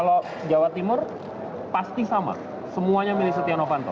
kalau jawa timur pasti sama semuanya milih setia novanto